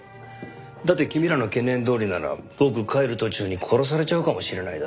だって君らの懸念どおりなら僕帰る途中に殺されちゃうかもしれないだろ？